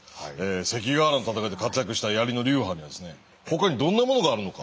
関ヶ原の戦いで活躍した槍の流派にはですねほかにどんなものがあるのか？